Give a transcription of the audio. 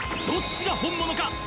どっちが本物か